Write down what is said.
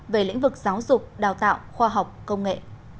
về lĩnh vực giáo dục đào tạo khoa học công nghệ